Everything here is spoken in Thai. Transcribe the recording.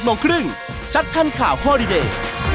๑๑โมงครึ่งชัดท่านข่าวฮอลิเดย